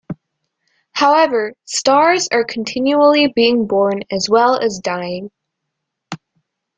However, stars are continually being born as well as dying.